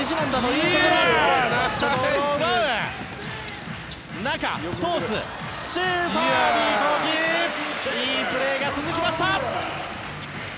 いいプレーが続きました！